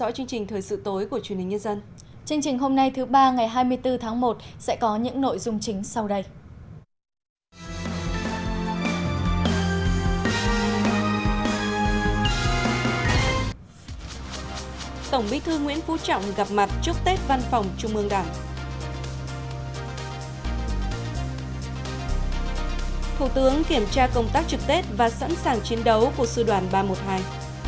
chương trình hôm nay thứ ba ngày hai mươi bốn tháng một sẽ có những nội dung chính sau đây